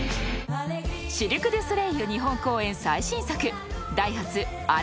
［シルク・ドゥ・ソレイユ日本公演最新作］